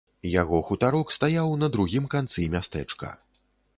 Яго хутарок стаяў на другім канцы мястэчка.